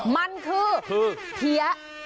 มันคือเฮีย